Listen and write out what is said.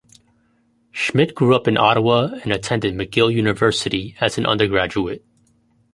Schmidt grew up in Ottawa and attended McGill University as an undergraduate.